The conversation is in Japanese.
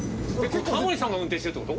タモリさんが運転してるって事？